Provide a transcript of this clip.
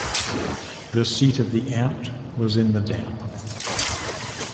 The seat of the "Amt" was in Damp.